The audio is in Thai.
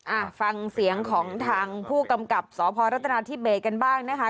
อ่าฟังเสียงของทางผู้กำกับสพรัฐนาธิเบสกันบ้างนะคะ